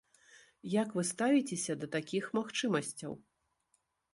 Як вы ставіцеся да такіх магчымасцяў?